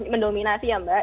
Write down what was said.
mendominasi ya mbak